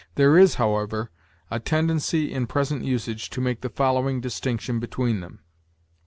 There is, however, a tendency in present usage to make the following distinction between them: 1.